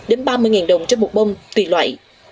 đến ba mươi đồng trên một bông tùy loại